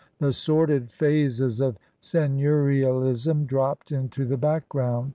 The sordid phases of seigneurialism dropped into the background.